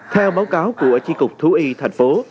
theo báo cáo của tri cục thú y thành phố